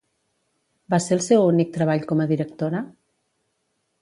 Va ser el seu únic treball com a directora?